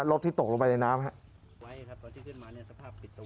รถที่ตกลงไปในน้ำครับ